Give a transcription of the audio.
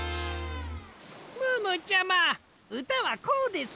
ムームーちゃまうたはこうです。